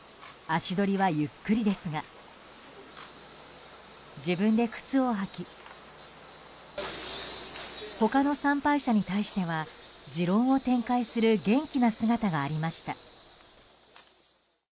足取りはゆっくりですが自分で靴を履き他の参拝者に対しては持論を展開する元気な姿がありました。